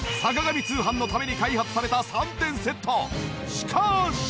しかし！